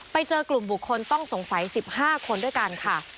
ไปเจอกลุ่มบุคคลต้องสงสัย๑๕คนด้วยกันค่ะ